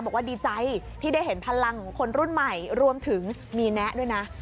บอกว่าดีใจที่ได้เห็นพลังของคนรุ่นใหม่รวมถึงมีแนะด้วยนะ